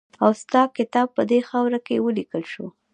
اوستا کتاب په دې خاوره کې ولیکل شو